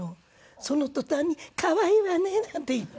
その途端に「可愛いわね」なんて言って。